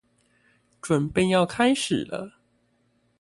準備要開始了